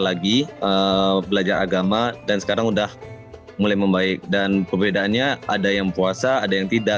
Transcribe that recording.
lagi belajar agama dan sekarang udah mulai membaik dan perbedaannya ada yang puasa ada yang tidak